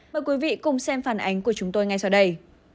mời quý vị cùng xem phản ánh của chúng tôi ngay sau đây